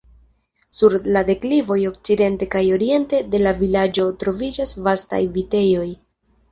Sur la deklivoj okcidente kaj oriente de la vilaĝo troviĝas vastaj vitejoj.